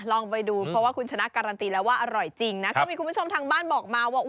ลองไปดูเพราะว่าคุณชนะการันตีแล้วว่าอร่อยจริงนะก็มีคุณผู้ชมทางบ้านบอกมาว่า